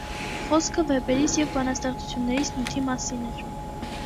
- Խոսքը վեպերիս և բանաստեղծություններիս նյութի մասին էր: